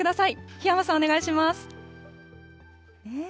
檜山さん、お願いします。